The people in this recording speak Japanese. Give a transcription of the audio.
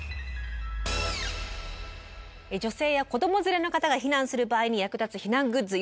女性や子ども連れの方が避難する場合に役立つ避難グッズ用意しました。